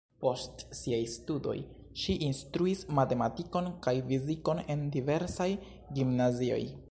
Post siaj studoj ŝi instruis matematikon kaj fizikon en diversaj gimnazioj.